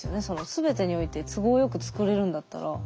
全てにおいて都合よく作れるんだったら。